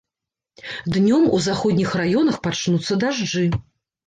Днём у заходніх раёнах пачнуцца дажджы.